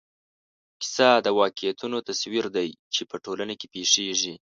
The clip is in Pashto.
کیسه د واقعیتونو تصویر دی چې په ټولنه کې پېښېږي.